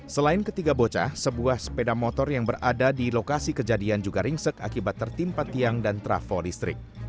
selain ketiga bocah sebuah sepeda motor yang berada di lokasi kejadian juga ringsek akibat tertimpa tiang dan trafo listrik